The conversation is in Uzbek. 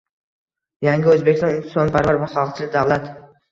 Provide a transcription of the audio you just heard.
Yangi O'zbekiston insonparvar va xalqchil davlat.